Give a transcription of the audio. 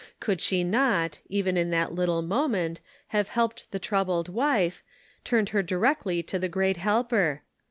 Could she not, even in that little moment, have helped the troubled wife — turned her directly to the great Helper.